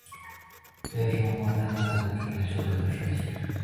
这也是王宝山第二次执掌球队的帅印。